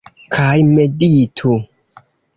Kaj meditu.